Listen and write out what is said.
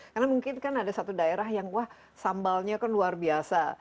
karena mungkin kan ada satu daerah yang wah sambalnya kan luar biasa